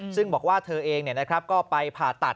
ซึ่งบอกว่าเธอเองก็ไปผ่าตัด